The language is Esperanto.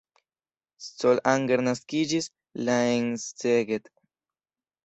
Zsolt Anger naskiĝis la en Szeged.